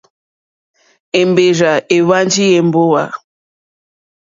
Èmbèrzà èhwánjì èmbówà.